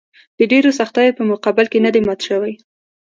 د ډېرو سختیو په مقابل کې نه دي مات شوي.